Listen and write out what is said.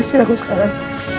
pazit aku sekarang